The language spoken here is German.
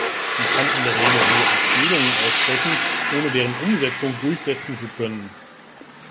Sie kann in der Regel nur Empfehlungen aussprechen, ohne deren Umsetzung durchsetzen zu können.